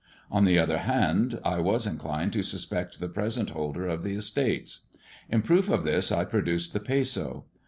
On the other band, I was inclined to suspect the present holder of the estates In proof of this I produced the peso.